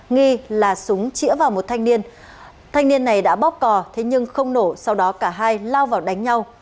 nghi là súng chĩa vào một thanh niên thanh niên này đã bóc cò thế nhưng không nổ sau đó cả hai lao vào đánh nhau